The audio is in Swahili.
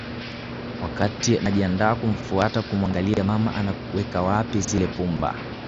Wakatiii najiandaa kumfuata kumuangalia mama anaweka wapi zile pumba